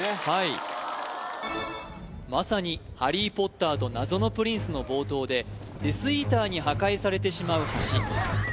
はいまさに「ハリー・ポッターと謎のプリンス」の冒頭でデスイーターに破壊されてしまう橋